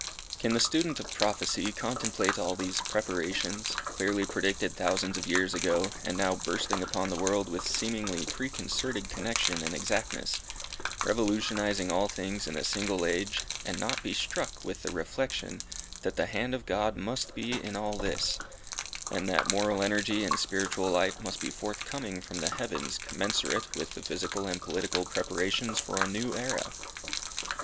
Can the student of prophecy contemplate all these preparations, clearly predicted thousands of years ago, and now bursting upon the world with seemingly preconcerted connexion and exactness, revolutionizing all things in a single age, and not be struck with the reflection, that the hand of God must be in all this, and that moral energy and spiritual light must be forthcoming from the heavens commensurate with the physical and political preparations for a new Era?